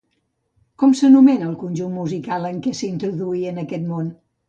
Com s'anomena el conjunt musical en què s'introduí en aquest món?